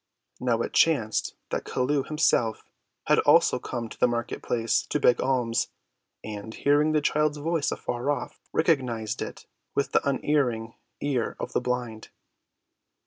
Now it chanced that Chelluh himself had also come to the market‐place to beg alms, and, hearing the child's voice afar off, recognized it with the unerring ear of the blind.